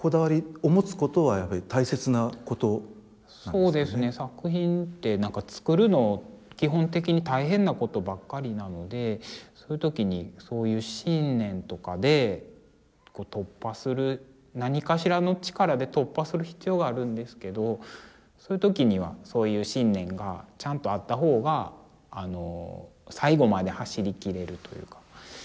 そうですね作品ってなんか作るの基本的に大変なことばっかりなのでそういう時にそういう信念とかで突破する何かしらの力で突破する必要があるんですけどそういう時にはそういう信念がちゃんとあった方が最後まで走りきれるというか。